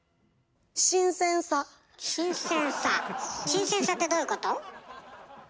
「新鮮さ」ってどういうこと？